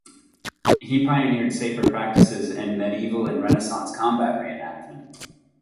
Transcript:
He pioneered safer practices in medieval and renaissance combat reenactment.